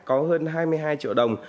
có hơn hai mươi hai triệu đồng